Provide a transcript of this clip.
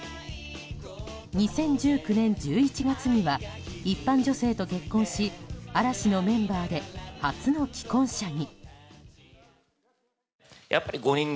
２０１９年１１月には一般女性と結婚し嵐のメンバーで初の既婚者に。